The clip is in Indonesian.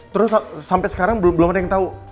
terus sampai sekarang belum ada yang tahu